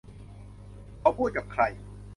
เขาพูดกับใคร